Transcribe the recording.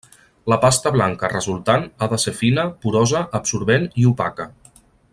La pasta blanca resultant ha de ser fina, porosa, absorbent i opaca.